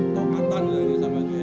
tokatan lah ini sama aja ya